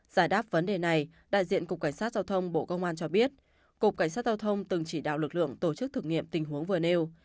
giải đáp vấn đề này đại diện cục cảnh sát giao thông bộ công an cho biết cục cảnh sát giao thông từng chỉ đạo lực lượng tổ chức thực nghiệm tình huống vừa nêu